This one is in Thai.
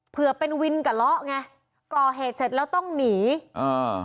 เพื่อเป็นวินกระเลาะไงก่อเหตุเสร็จแล้วต้องหนีอ่า